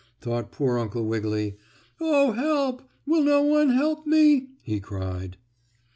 thought poor Uncle Wiggily. "Oh, help! Will no one help me?" he cried.